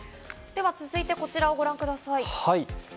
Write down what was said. では続いてこちらをご覧ください。